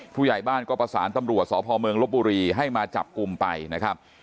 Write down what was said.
ผู้ใหญ่บ้านก็ประสานตำรวจสพเมืองลบบุรีให้มาจับกลุ่มไปนะครับ